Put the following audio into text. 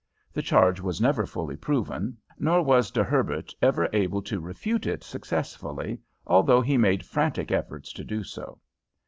The charge was never fully proven, nor was De Herbert ever able to refute it successfully, although he made frantic efforts to do so.